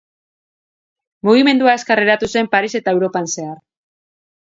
Mugimendua azkar hedatu zen Paris eta Europan zehar.